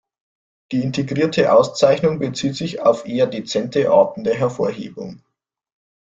Die integrierte Auszeichnung bezieht sich auf eher dezente Arten der Hervorhebung.